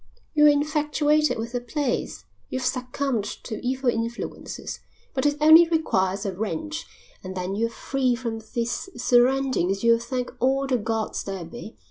You're infatuated with the place, you've succumbed to evil influences, but it only requires a wrench, and when you're free from these surroundings you'll thank all the gods there be.